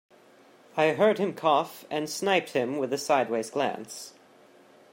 I heard him cough, and sniped him with a sideways glance.